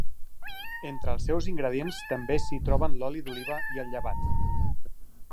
Entre els seus ingredients també s'hi troben l'oli d'oliva i el llevat.